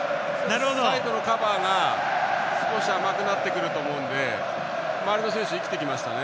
サイドのカバーが少し甘くなってくると思うので周りの選手が生きてきますね。